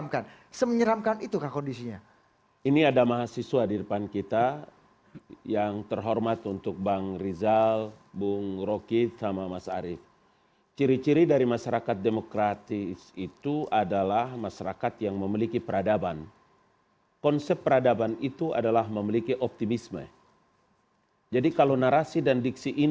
karena akhirnya gak ada oposisi